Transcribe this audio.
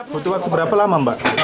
butuh waktu berapa lama mbak